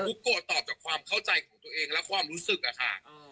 ุ๊กโกะตอบจากความเข้าใจของตัวเองและความรู้สึกอะค่ะ